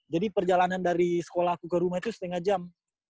jadi perjalanan dari sekolah aku ke rumah itu setengah jam